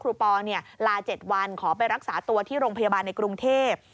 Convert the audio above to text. ปอลา๗วันขอไปรักษาตัวที่โรงพยาบาลในกรุงเทพ